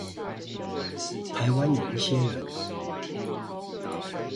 台灣有一些人